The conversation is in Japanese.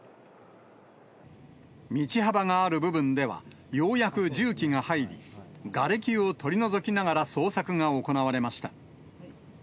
道幅がある部分ではようやく重機が入り、がれきを取り除きながら捜索が行われました。